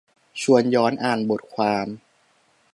ชวนย้อนอ่านบทความ